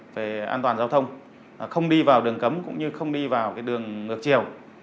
về an toàn giao thông không đi vào đường cấm cũng như không đi vào cái đường ngược chiều